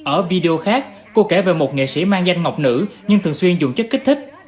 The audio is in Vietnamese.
ở video khác cô kể về một nghệ sĩ mang danh ngọc nữ nhưng thường xuyên dùng chất kích thích